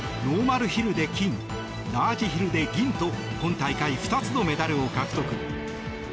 ノーマルヒルで金ラージヒルで銀と今大会２つのメダルを獲得。